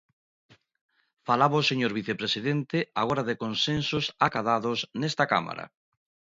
Falaba o señor vicepresidente agora de consensos acadados nesta Cámara.